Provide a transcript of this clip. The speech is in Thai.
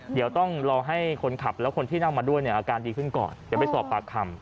เดี๋ยวต้องรอให้คนขับแล้วคนที่นั่งมาด้วยเนี่ยอาการดีขึ้นก่อนเดี๋ยวไปสอบปากคำ